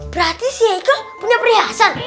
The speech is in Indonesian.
berarti si aika punya perihasan